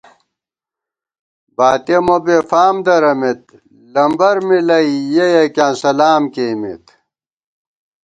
باتِیَہ مو بېفام دَرَمېت، لمبَر مِلَئ یَہ یَکِیاں سلام کېئیمېت